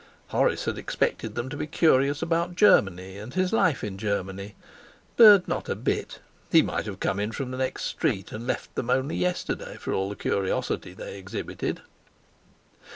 Horace had expected them to be curious about Germany and his life in Germany. But not a bit! He might have come in from the next street and left them only yesterday, for all the curiosity they exhibited.